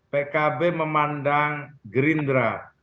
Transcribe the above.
pkb memandang gerindra